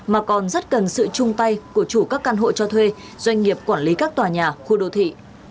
mà còn rất cần sự chung tay của chủ các căn hộ cho thuê doanh nghiệp quản lý các tòa nhà khu đô thị